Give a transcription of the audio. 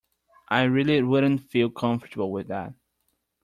I really wouldn't feel comfortable with that.